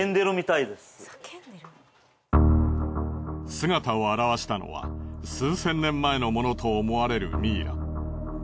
姿を現したのは数千年前のものと思われるミイラ。